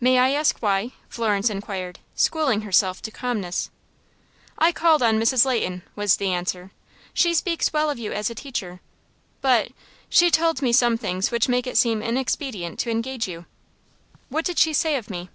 "May I ask why?" Florence inquired, schooling herself to calmness. "I called on Mrs. Leighton," was the answer. "She speaks well of you as a teacher, but she told me some things which make it seem inexpedient to engage you." "What did she say of me?"